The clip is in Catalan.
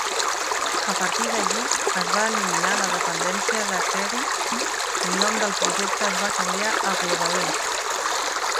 A partir d'allí, es va eliminar la dependència de jQuery i el nom del projecte es va canviar a Globalize.